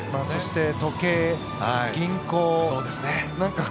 そして時計、銀行。